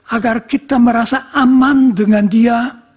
agar kita merasa aman dengan dia